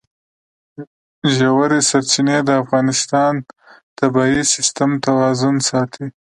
ژورې سرچینې د افغانستان د طبعي سیسټم توازن ساتي.